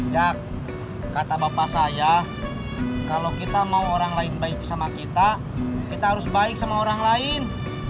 ya kata bapak saya kalau kita mau orang lain baik sama kita kita harus baik sama orang lain